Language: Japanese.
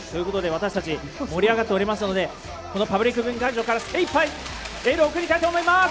私たち盛り上がっていますのでパブリックビューイング会場から精いっぱいエールを送りたいと思います。